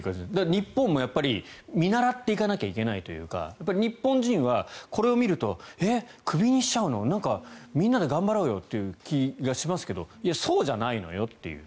日本も見習わないといけないというか日本人はこれを見るとクビにしちゃうのみんなで頑張ろうという気がしますがそうじゃないのよという。